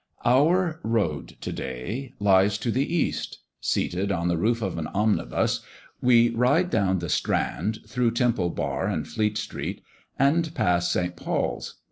Our road to day lies to the east. Seated on the roof of an omnibus, we ride down the Strand, through Temple bar and Fleet street, and pass St. Paul's.